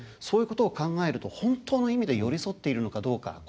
そういうことを考えると本当の意味で寄り添っているのかどうか。